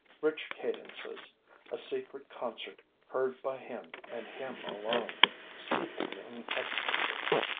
Rich cadences, a secret concert heard by him and him alone, steep him in ecstasy.